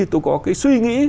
tôi có cái suy nghĩ